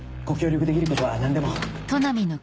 ご協力できることは何でも。